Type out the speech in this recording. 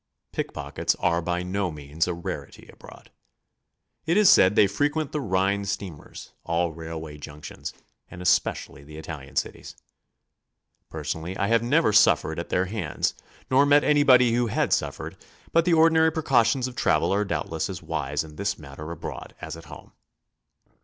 Pick 'pockets are by no means a rarity abroad. It is said they frequent the Rhine steamers, all railway junctions, and especially the Italian cities. Personally, I never suffered at their hands, nor met anybody who had suffered, but the ordinary precautions of travel are doubtless as wise in this matter abroad as at home.